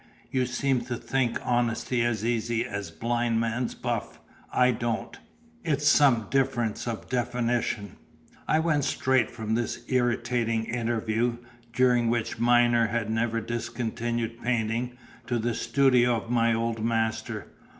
"You seem to think honesty as easy as Blind Man's Buff: I don't. It's some difference of definition." I went straight from this irritating interview, during which Myner had never discontinued painting, to the studio of my old master.